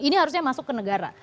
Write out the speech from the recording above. ini harusnya masuk ke negara